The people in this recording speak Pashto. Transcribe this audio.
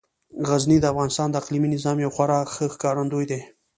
غزني د افغانستان د اقلیمي نظام یو خورا ښه ښکارندوی دی.